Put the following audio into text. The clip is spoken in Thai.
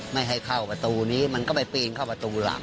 ไม่ให้เข้าประตูนี้มันก็ไปปีนเข้าประตูหลัง